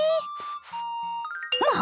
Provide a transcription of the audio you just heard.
まあ！